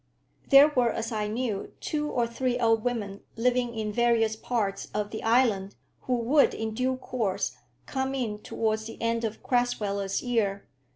There were, as I knew, two or three old women living in various parts of the island, who would, in due course, come in towards the end of Crasweller's year.